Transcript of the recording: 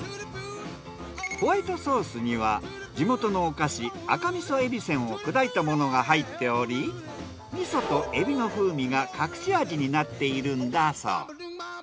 ホワイトソースには地元のお菓子赤みそえびせんを砕いたものが入っており味噌とエビの風味が隠し味になっているんだそう。